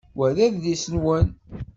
Wa d adlis-nwen?